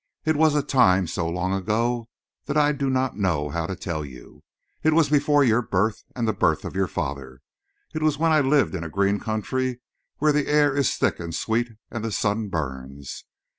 It was a time so long ago that I do not know how to tell you. It was before your birth and the birth of your father. It was when I lived in a green country where the air is thick and sweet and the sun burns.